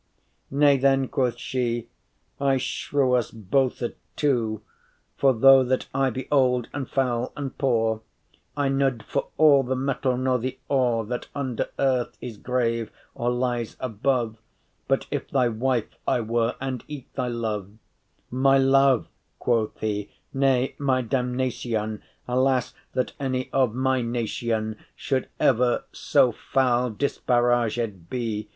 ” “Nay, then,” quoth she, “I shrew* us bothe two, *curse For though that I be old, and foul, and poor, I n’ould* for all the metal nor the ore, *would not That under earth is grave,* or lies above *buried But if thy wife I were and eke thy love.” “My love?” quoth he, “nay, my damnation, Alas! that any of my nation Should ever so foul disparaged be.